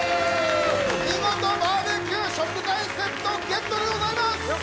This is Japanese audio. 見事バーベキュー食材セットゲットでございます！